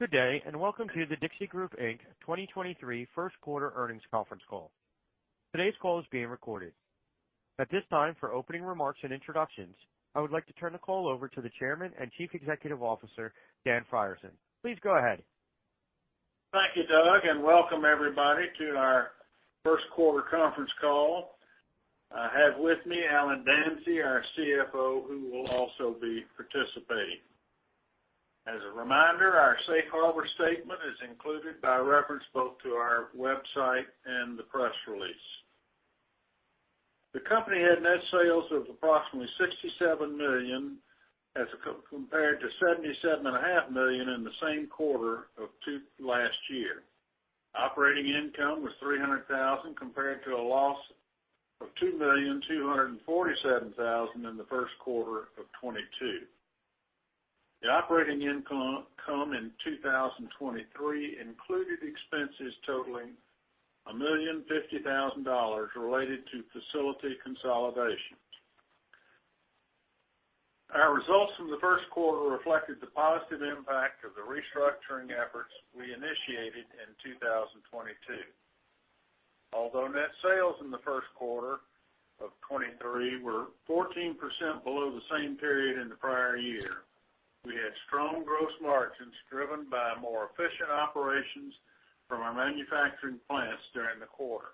Good day, welcome to The Dixie Group, Inc. 2023 First Quarter Earnings Conference Call. Today's call is being recorded. At this time, for opening remarks and introductions, I would like to turn the call over to the Chairman and Chief Executive Officer, Dan Frierson. Please go ahead. Thank you, Doug. Welcome everybody to our first quarter conference call. I have with me Allen Danzey, our Chief Financial Officer, who will also be participating. As a reminder, our safe harbor statement is included by reference both to our website and the press release. The company had net sales of approximately $67 million as compared to $77 and a half million in the same quarter of 2022 last year. Operating income was $300,000 compared to a loss of $2,247,000 in the first quarter of 2022. The operating income in 2023 included expenses totaling $1,050,000 related to facility consolidations. Our results from the first quarter reflected the positive impact of the restructuring efforts we initiated in 2022. Although net sales in the first quarter of 2023 were 14% below the same period in the prior year, we had strong gross margins driven by more efficient operations from our manufacturing plants during the quarter.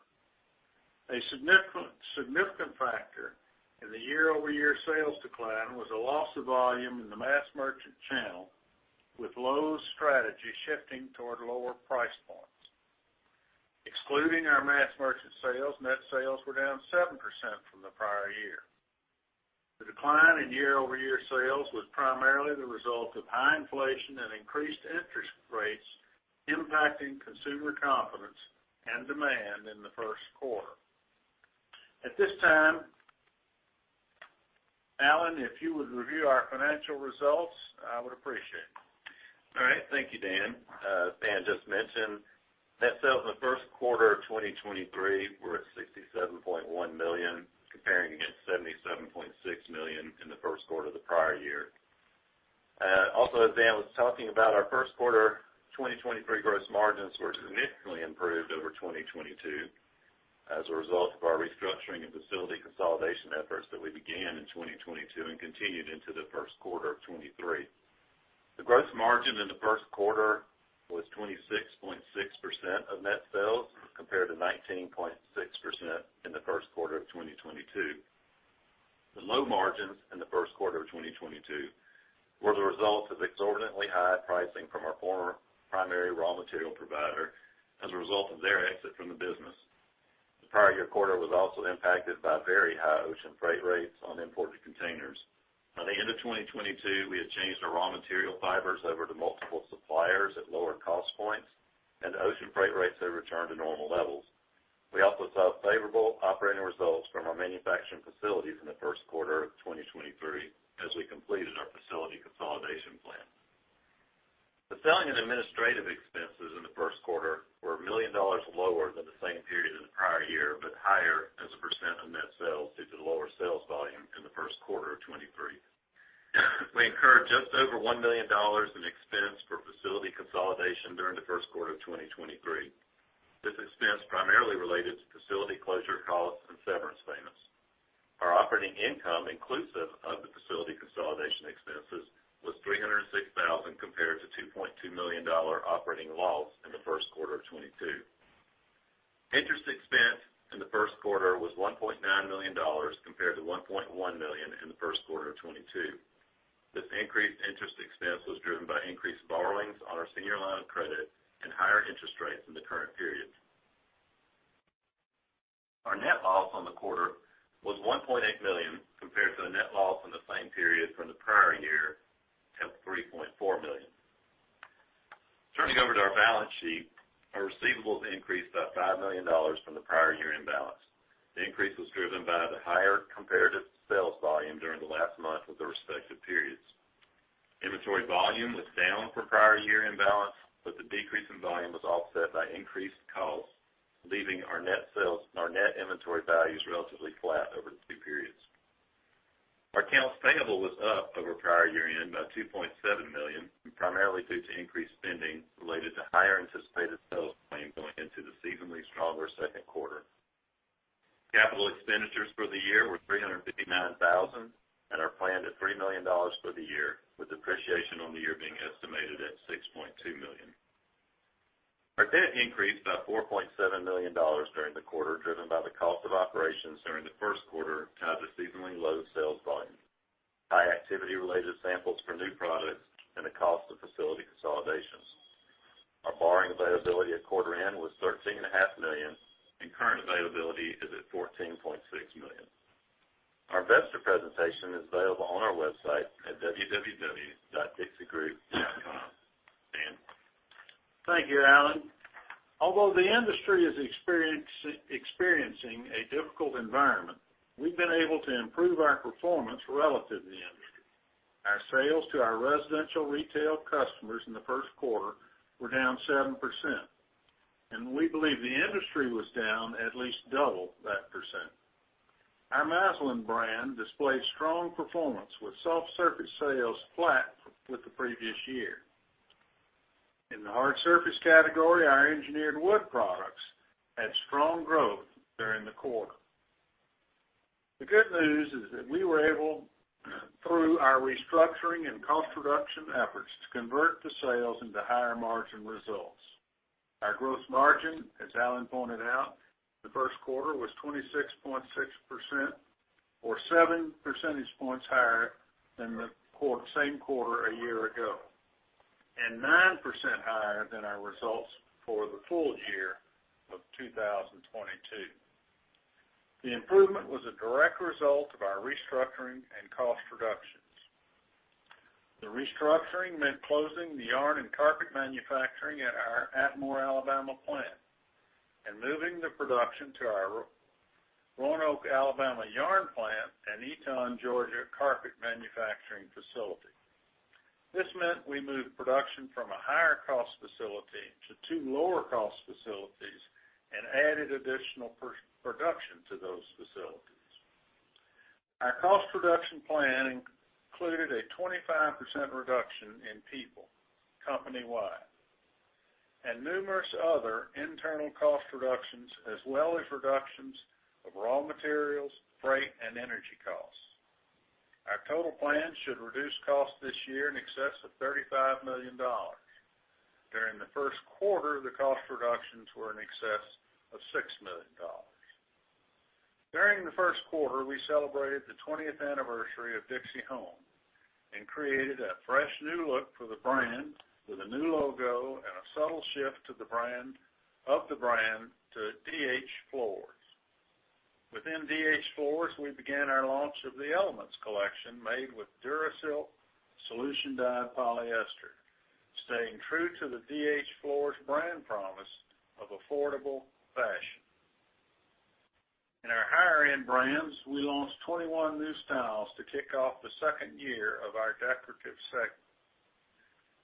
A significant factor in the year-over-year sales decline was a loss of volume in the mass merchant channel, with low strategy shifting toward lower price points. Excluding our mass merchant sales, net sales were down 7% from the prior year. The decline in year-over-year sales was primarily the result of high inflation and increased interest rates impacting consumer confidence and demand in the first quarter. At this time, Alan, if you would review our financial results, I would appreciate it. All right. Thank you, Dan. Dan just mentioned net sales in the first quarter of 2023 were at $67.1 million comparing against $77.6 million in the first quarter of the prior year. As Dan was talking about, our first quarter 2023 gross margins were significantly improved over 2022 as a result of our restructuring and facility consolidation efforts that we began in 2022 and continued into the first quarter of 2023. The gross margin in the first quarter was 26.6% of net sales, compared to 19.6% in the first quarter of 2022. The low margins in the first quarter of 2022 were the result of exorbitantly high pricing from our former primary raw material provider as a result of their exit from the business. The prior year quarter was also impacted by very high ocean freight rates on imported containers. By the end of 2022, we had changed our raw material fibers over to multiple suppliers at lower cost points, and ocean freight rates have returned to normal levels. We also saw favorable operating results from our manufacturing facilities in the first quarter of 2023 as we completed our facility consolidation plan. The selling and administrative expenses in the first quarter were $1 million lower than the same period in the prior year, but higher as a percentage of net sales due to the lower sales volume in the first quarter of 2023. We incurred just over $1 million in expense for facility consolidation during the first quarter of 2023. This expense primarily related to facility closure costs and severance payments. Our operating income, inclusive of the facility consolidation expenses, was $306,000 compared to $2.2 million operating loss in the first quarter of 2022. Interest expense in the first quarter was $1.9 million compared to $1.1 million in the first quarter of 2022. This increased interest expense was driven by increased borrowings on our senior line of credit and higher interest rates in the current period. Our net loss on the quarter was $1.8 million compared to a net loss in the same period from the prior year of $3.4 million. Turning over to our balance sheet, our receivables increased by $5 million from the prior year end balance. The increase was driven by the higher comparative sales volume during the last month with the respective periods. Inventory volume was down for prior year end balance, the decrease in volume was offset by increased costs, leaving our net inventory values relatively flat over the two periods. Our accounts payable was up over prior year end by $2.7 million, primarily due to increased spending related to higher anticipated sales plans going into the seasonally stronger second quarter. CapEx for the year were $359,000 and are planned at $3 million for the year, with depreciation on the year being estimated at $6.2 million. Our debt increased by $4.7 million during the quarter, driven by the cost of operations during the first quarter due to seasonally low sales volume, high activity-related samples for new products and the cost of facility consolidations. Our borrowing availability at quarter end was thirteen and a half million, and current availability is at $14.6 million. Our investor presentation is available on our website at www.thedixiegroup.com. Dan? Thank you, Alan. Although the industry is experiencing a difficult environment, we've been able to improve our performance relative to the industry. Our sales to our residential retail customers in the first quarter were down 7%, and we believe the industry was down at least double that %. Our Masland brand displayed strong performance with soft surface sales flat with the previous year. In the hard surface category, our engineered wood products had strong growth during the quarter. The good news is that we were able, through our restructuring and cost reduction efforts, to convert the sales into higher margin results. Our growth margin, as Alan pointed out, the first quarter was 26.6% or 7 percentage points higher than the same quarter a year ago, and 9% higher than our results for the full year of 2022. The improvement was a direct result of our restructuring and cost reductions. The restructuring meant closing the yarn and carpet manufacturing at our Atmore, Alabama plant and moving the production to our Roanoke, Alabama yarn plant and Eton, Georgia carpet manufacturing facility. This meant we moved production from a higher cost facility to two lower cost facilities and added additional production to those facilities. Our cost reduction plan included a 25% reduction in people company-wide, and numerous other internal cost reductions as well as reductions of raw materials, freight, and energy costs. Our total plan should reduce costs this year in excess of $35 million. During the first quarter, the cost reductions were in excess of $6 million. During the first quarter, we celebrated the 20th anniversary of Dixie Home and created a fresh new look for the brand with a new logo and a subtle shift of the brand to DH Floors. Within DH Floors, we began our launch of the Elements collection made with DuraSilk solution dyed polyester, staying true to the DH Floors brand promise of affordable fashion. In our higher end brands, we launched 21 new styles to kick off the second year of our decorative segment.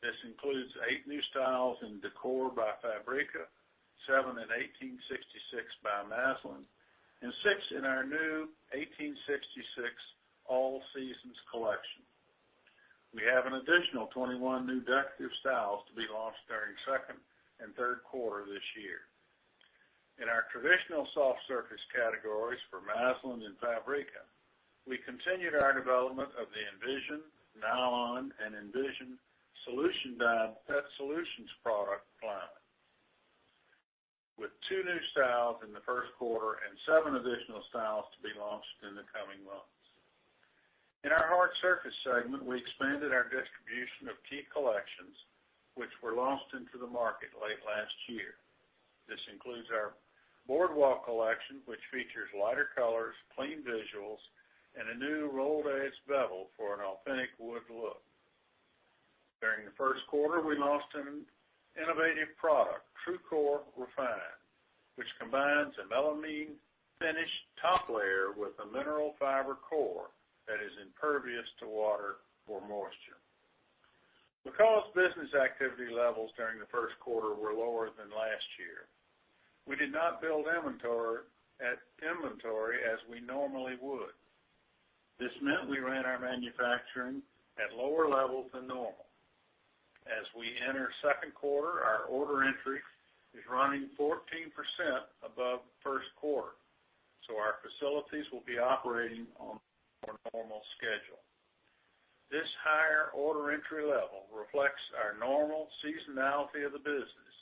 This includes eight new styles in Décor by Fabrica, seven in 1866 by Masland, and 6 in our new 1866 All Seasons collection. We have an additional 21 new decorative styles to be launched during second and third quarter this year. In our traditional soft surface categories for Masland and Fabrica, we continued our development of the EnVision nylon and EnVision solution dyed Pet Solutions product line. With two new styles in the first quarter and seven additional styles to be launched in the coming months. In our hard surface segment, we expanded our distribution of key collections which were launched into the market late last year. This includes our Boardwalk collection, which features lighter colors, clean visuals, and a new rolled edge bevel for an authentic wood look. During the first quarter, we launched an innovative product, TRUCOR Refined, which combines a melamine finished top layer with a mineral fiber core that is impervious to water or moisture. Because business activity levels during the first quarter were lower than last year, we did not build inventory as we normally would. This meant we ran our manufacturing at lower levels than normal. As we enter second quarter, our order entry is running 14% above first quarter, our facilities will be operating on a more normal schedule. This higher order entry level reflects our normal seasonality of the business,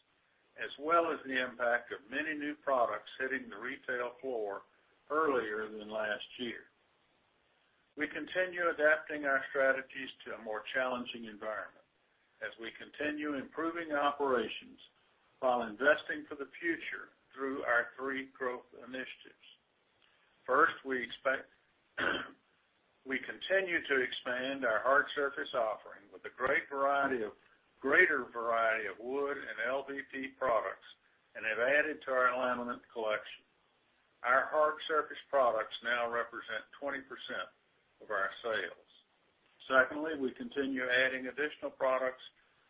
as well as the impact of many new products hitting the retail floor earlier than last year. We continue adapting our strategies to a more challenging environment as we continue improving operations while investing for the future through our three growth initiatives. First, We continue to expand our hard surface offering with a greater variety of wood and LVP products and have added to our laminate collection. Our hard surface products now represent 20% of our sales. We continue adding additional products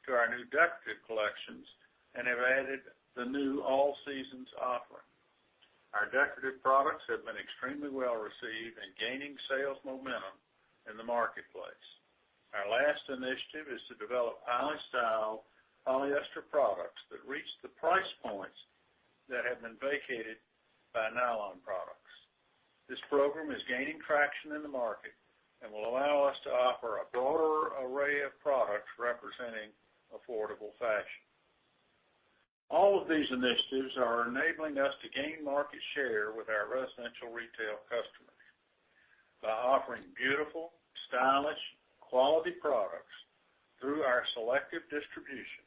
to our new decorative collections and have added the new All Seasons offering. Our decorative products have been extremely well received and gaining sales momentum in the marketplace. Our last initiative is to develop high style polyester products that reach the price points that have been vacated by nylon products. This program is gaining traction in the market and will allow us to offer a broader array of products representing affordable fashion. All of these initiatives are enabling us to gain market share with our residential retail customers. By offering beautiful, stylish, quality products through our selective distribution,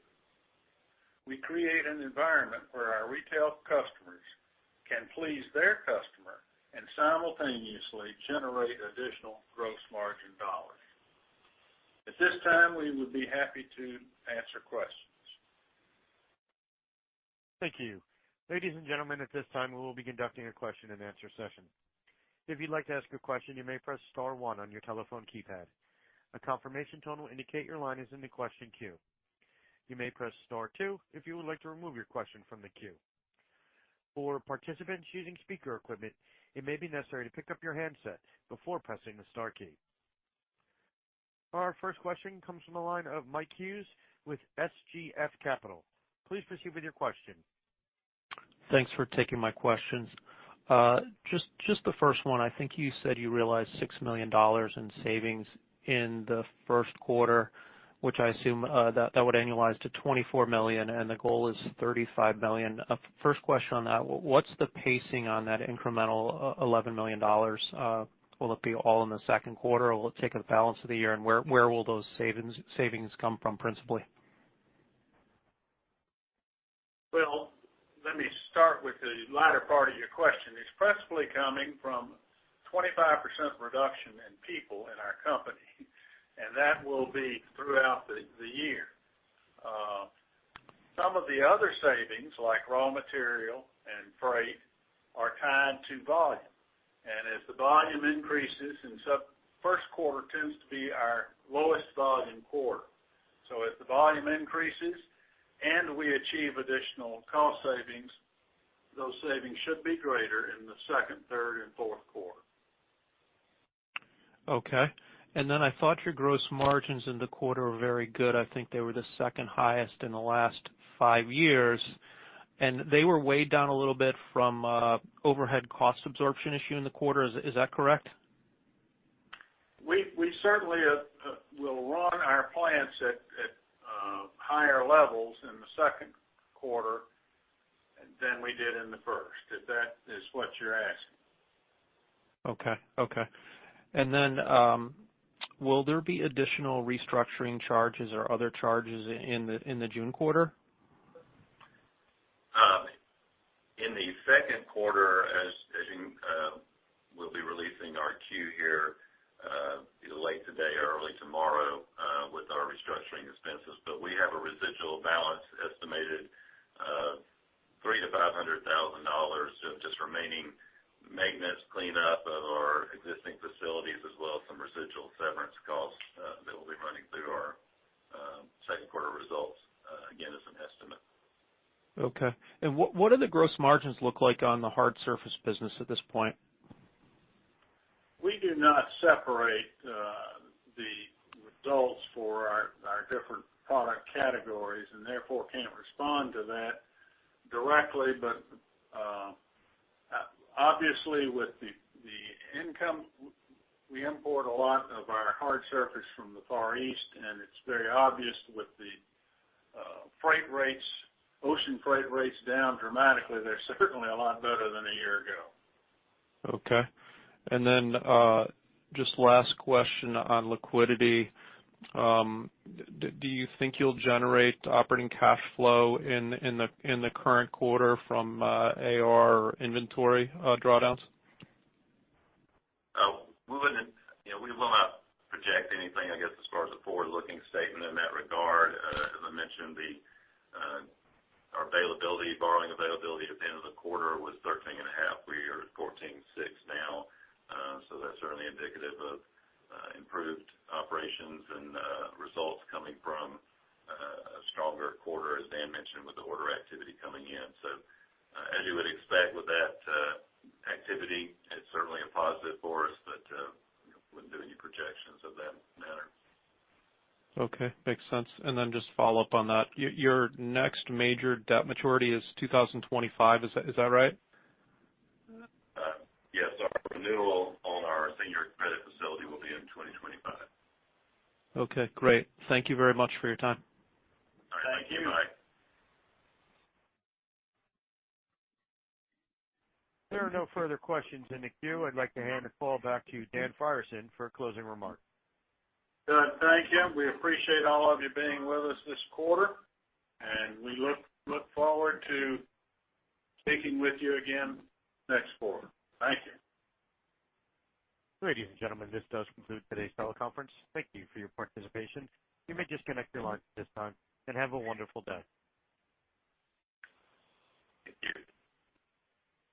we create an environment where our retail customers can please their customer and simultaneously generate additional gross margin dollars. At this time, we would be happy to answer questions. Thank you. Ladies and gentlemen, at this time, we will be conducting a question and answer session. If you'd like to ask a question, you may press star one on your telephone keypad. A confirmation tone will indicate your line is in the question queue. You may press star two if you would like to remove your question from the queue. For participants using speaker equipment, it may be necessary to pick up your handset before pressing the star key. Our first question comes from the line of Michael Hughes with SGF Capital. Please proceed with your question. Thanks for taking my questions. Just the first one. I think you said you realized $6 million in savings in the first quarter, which I assume that would annualize to $24 million, and the goal is $35 million. First question on that, what's the pacing on that incremental $11 million? Will it be all in the second quarter or will it take up the balance of the year? Where will those savings come from principally? Well, let me start with the latter part of your question. It's principally coming from 25% reduction in people in our company, and that will be throughout the year. Some of the other savings, like raw material and freight, are tied to volume. As the volume increases, first quarter tends to be our lowest volume quarter. As the volume increases and we achieve additional cost savings, those savings should be greater in the second, third, and fourth quarter. Okay. I thought your gross margins in the quarter were very good. I think they were the second highest in the last five years, and they were weighed down a little bit from, overhead cost absorption issue in the quarter. Is that correct? We certainly will run our plants at higher levels in the second quarter than we did in the first, if that is what you're asking. Okay. Okay. Will there be additional restructuring charges or other charges in the, in the June quarter? In the second quarter, as you, we'll be releasing our Q here either late today or early tomorrow with our restructuring expenses. We have a residual balance estimated of $300,000-$500,000 of just remaining maintenance cleanup of our existing facilities, as well as some residual severance costs that will be running through our second quarter results again, as an estimate. Okay. What do the gross margins look like on the hard surface business at this point? We do not separate the results for our different product categories and therefore can't respond to that directly. Obviously with the income, we import a lot of our hard surface from the Far East, and it's very obvious with the freight rates, ocean freight rates down dramatically, they're certainly a lot better than a year ago. Okay. Just last question on liquidity. Do you think you'll generate operating cash flow in the current quarter from AR inventory drawdowns? We wouldn't, you know, we will not project anything, I guess as far as a forward-looking statement in that regard. As I mentioned, the, our availability, borrowing availability at the end of the quarter was thirteen and a half. We are at $14.6 now. That's certainly indicative of improved operations and results coming from a stronger quarter, as Dan mentioned, with the order activity coming in. As you would expect with that activity, it's certainly a positive for us, but wouldn't do any projections of that matter. Okay. Makes sense. Then just follow up on that. Your next major debt maturity is 2025. Is that right? Yes. Our renewal on our senior credit facility will be in 2025. Okay, great. Thank you very much for your time. Thank you. Bye. Thank you. There are no further questions in the queue. I'd like to hand the call back to Dan Frierson for closing remarks. Good. Thank you. We appreciate all of you being with us this quarter. We look forward to speaking with you again next quarter. Thank you. Ladies and gentlemen, this does conclude today's teleconference. Thank you for your participation. You may disconnect your lines at this time, and have a wonderful day. Thank you.